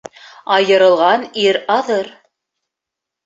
Айырылған ир аҙыр